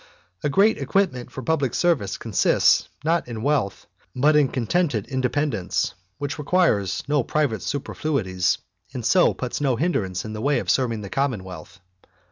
A great equipment. for public service consists, not in wealth, but in contented independence, which requires no private superfluities, and so puts no hindrance in the way of serving the commonwealth.